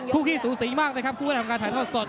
คู่กี้สูสีมากเลยครับคู่กี้ทำการถ่ายทอดสด